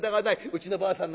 うちのばあさん